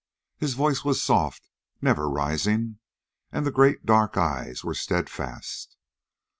His voice was soft, never rising, and the great, dark eyes were steadfast.